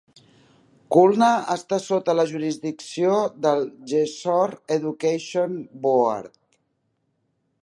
Khulna està sota la jurisdicció del Jessore Education Board.